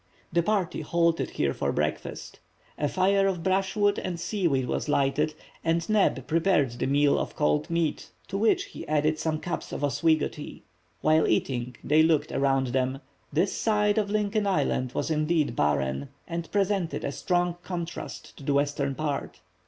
The party halted here for breakfast; a fire of brushwood and seaweed was lighted, and Neb prepared the meal of cold meat, to which he added some cups of Oswego tea. While eating they looked around them. This side of Lincoln island was indeed barren, and presented a strong contrast to the western part.